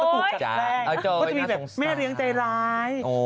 ก็จะเป็นแบบแม่เรียงใจร้าย